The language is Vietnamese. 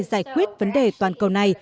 giải quyết vấn đề toàn cầu này